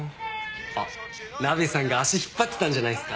あっナベさんが足引っ張ってたんじゃないっすか？